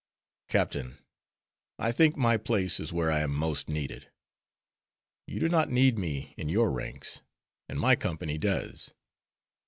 Captain, I think my place is where I am most needed. You do not need me in your ranks, and my company does.